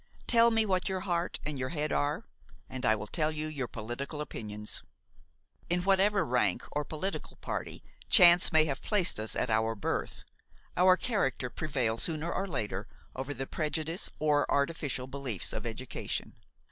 Tell me what your heart and your head are and I will tell you your political opinions. In whatever rank or political party chance may have placed us at our birth, our character prevails sooner or later over the prejudice or artificial beliefs of education.